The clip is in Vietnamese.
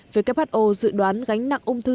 who dự đoán gánh nặng ung thư